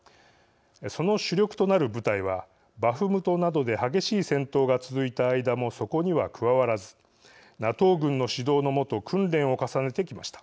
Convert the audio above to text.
その主力となる部隊はバフムトなどで激しい戦闘が続いた間もそこには加わらずＮＡＴＯ軍の指導の下訓練を重ねてきました。